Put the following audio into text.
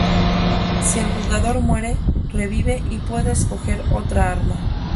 Si el jugador muere, revive y puede escoger otra arma.